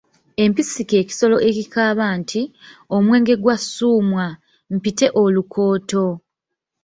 Empisi kye kisolo ekikaaba nti "Omwenge gwa Ssuumwa, mpite olukooto".